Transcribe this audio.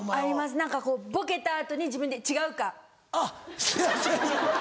何かこうボケた後に自分で「違うか」。